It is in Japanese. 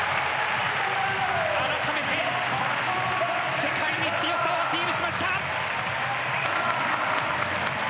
改めて、世界に強さをアピールしました。